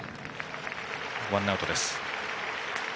ワンアウトです。